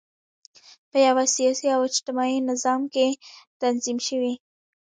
په یوه سیاسي او اجتماعي نظام کې تنظیم شوي.